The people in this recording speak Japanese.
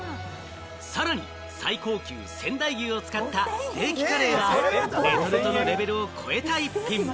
さらに最高級仙台牛を使ったステーキカレーは、レトルトのレベルを超えた逸品。